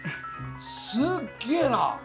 すっげえな！